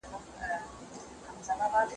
زه کولای سم مړۍ وخورم.